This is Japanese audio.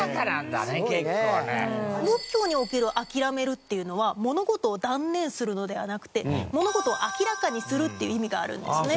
仏教における諦めるっていうのは物事を断念するのではなくて物事を明らかにするっていう意味があるんですね。